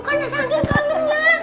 karena sakit kangennya